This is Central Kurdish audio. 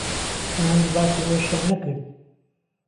تەنانەت باسی ئەوەشیان نەکرد